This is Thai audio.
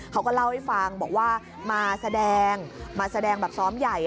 เขาก็เล่าให้ฟังบอกว่ามาแสดงมาแสดงแบบซ้อมใหญ่